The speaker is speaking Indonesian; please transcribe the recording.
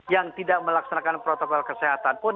yang tidak melaksanakan protokol kesehatan pun